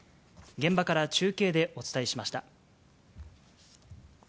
現場から中継でお伝えしました。